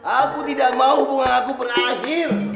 aku tidak mau bunga aku berakhir